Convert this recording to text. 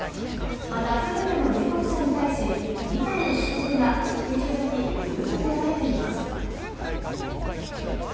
またすべての入国者に対し、ビザの取得が引き続き義務づけられています。